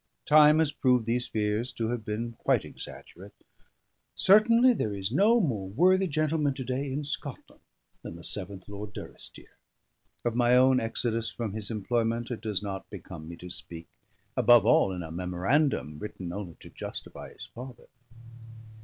Time has proved these fears to have been quite exaggerate. Certainly there is no more worthy gentleman to day in Scotland than the seventh Lord Durrisdeer. Of my own exodus from his employment it does not become me to speak, above all in a memorandum written only to justify his father....